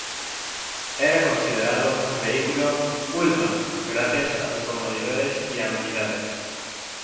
Era considerado un vehículo "Pullman" gracias a sus comodidades y amenidades.